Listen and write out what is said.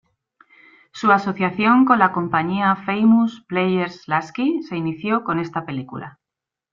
Su asociación con la compañía Famous Players-Lasky se inició con esta película.